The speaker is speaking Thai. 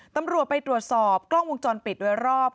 ตำรวจไปตรวจสอบกล้องวงจรปิดโดยรอบ